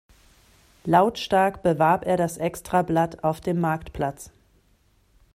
Lautstark bewarb er das Extrablatt auf dem Marktplatz.